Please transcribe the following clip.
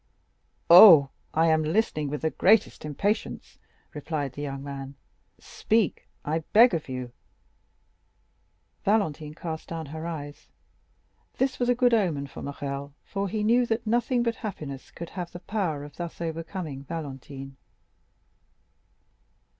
"Oh, I am listening with the greatest impatience," replied the young man; "speak, I beg of you." Valentine cast down her eyes; this was a good omen for Morrel, for he knew that nothing but happiness could have the power of thus overcoming Valentine.